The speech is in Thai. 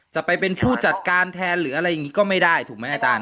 จะเป็นผู้จัดการแทนหรืออะไรอย่างนี้ก็ไม่ได้ถูกไหมอาจารย์